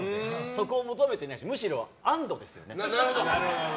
そこを求めてないしむしろ安堵ですよね。